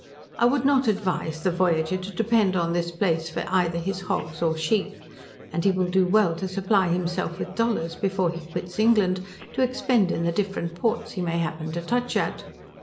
I would not advise the voyager to depend on this place for either his hogs or sheep. And he will do well to supply himself with dollars before he quits England, to expend in the different ports he may happen to touch at.